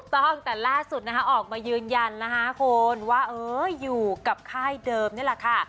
ถูกต้องแต่ล่าสุดออกมายืนยันว่าอยู่กับค่ายเดิมนี่แหละค่ะ